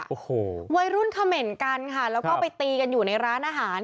โอ้โหวัยรุ่นเขม่นกันค่ะแล้วก็ไปตีกันอยู่ในร้านอาหาร